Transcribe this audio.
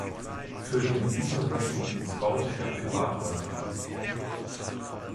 Für die Elite Washingtons baute er Privathäuser.